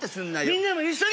みんなも一緒に！